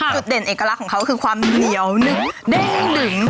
จุดเด่นเอกลักษณ์ของเขาคือความเหนียวนึ่งเด้งดึง